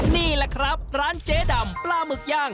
นี่แหละครับร้านเจ๊ดำปลาหมึกย่าง